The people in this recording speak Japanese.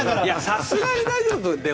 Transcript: さすがに大丈夫だって。